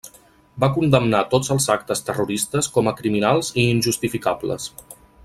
Va condemnar tots els actes terroristes com a criminals i injustificables.